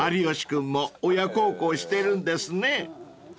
［有吉君も親孝行してるんですね］